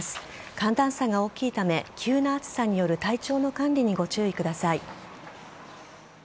寒暖差が大きいため急な暑さによる体調の管理にご注意ください。